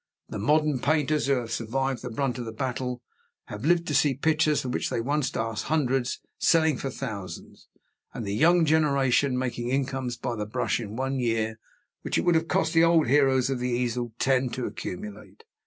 The modern painters who have survived the brunt of the battle, have lived to see pictures for which they once asked hundreds, selling for thousands, and the young generation making incomes by the brush in one year, which it would have cost the old heroes of the easel ten to accumulate.